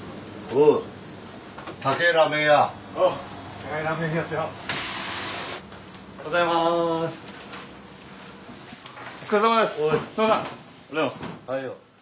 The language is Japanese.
おはよう。